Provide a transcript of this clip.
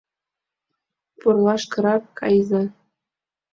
— Пурлашкырак кайыза!